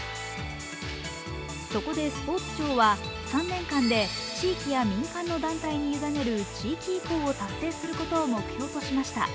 そこでスポーツ庁は３年間で地域や民間の団体に委ねる地域移行を達成することを目標としました。